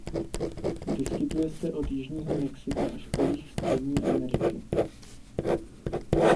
Vyskytuje se od jižního Mexika až po jih Střední Ameriky.